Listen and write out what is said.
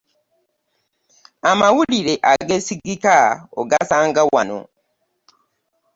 Amawulire ageesigika ogasanga wano.